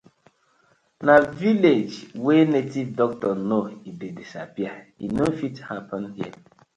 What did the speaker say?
Na village wey native doctor know e dey disappear, e no fit happen here.